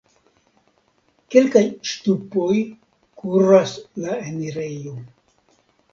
Kelkaj ŝtupoj kuras la enirejo.